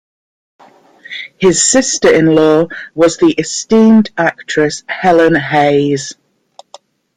His sister-in-law was the esteemed actress Helen Hayes.